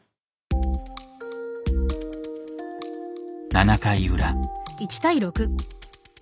７回裏。